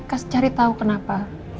kasih cari tahu kenapa